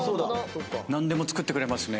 何でも作ってくれますね。